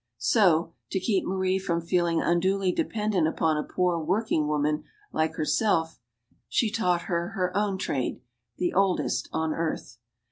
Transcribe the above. So, to keep Marie from feeling unduly dependent upon a poor working woman like herself, she taught her her own. trade the oldest on earth.